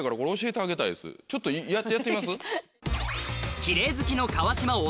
ちょっとやってみます？